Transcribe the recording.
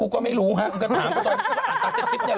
๑๑โมมผมเห็นนั่งตั้งคอตั้ง